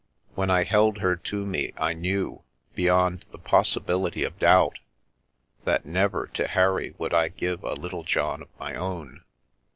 When I held her to me I knew, beyond the possibility of doubt, that never to Harry would I give a Littlejohn of my own.